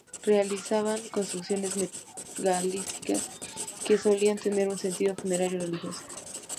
Realizaban construcciones megalíticas, que solían tener un sentido funerario-religioso.